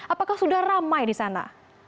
apakah sudah ramai di sana